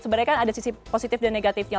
sebenarnya kan ada sisi positif dan negatifnya